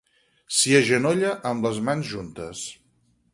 S'hi agenolla amb les mans juntes.